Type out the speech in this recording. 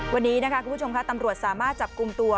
วันนี้นะคะคุณผู้ชมค่ะตำรวจสามารถจับกลุ่มตัว